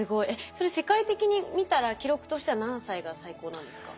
それ世界的に見たら記録としては何歳が最高なんですか？